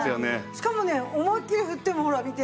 しかもね思いっきり振ってもほら見て。